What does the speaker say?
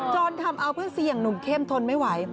จนทำเอาเพื่อนสี่อย่างหนุ่มเข้มทนไม่ไหว